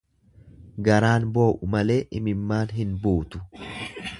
Garaan boo'u malee imimmaan hin buutu.